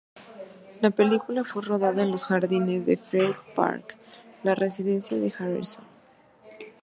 La película fue rodada en los jardines y Friar Park, la residencia de Harrison.